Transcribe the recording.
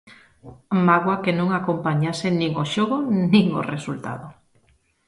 Mágoa que non acompañase nin o xogo nin o resultado.